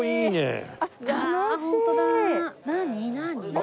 何？